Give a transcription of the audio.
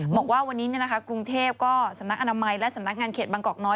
บอกว่าวันนี้กรุงเทพก็สำนักอนามัยและสำนักงานเขตบางกอกน้อย